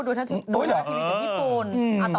ดูเทลาทีวีจากญี่ปุ่น